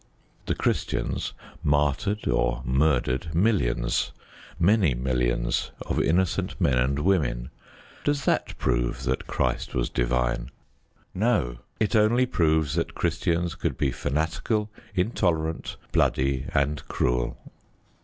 The Christians martyred or murdered millions, many millions, of innocent men and women. Does that prove that Christ was divine? No: it only proves that Christians could be fanatical, intolerant, bloody, and cruel.